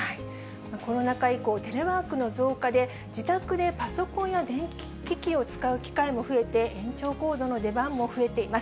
コロナ禍以降、テレワークの増加で、自宅でパソコンや電気機器を使う機会も増えて、延長コードの出番も増えています。